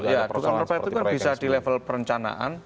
betul ya dugaan malpraktek itu kan bisa di level perencanaan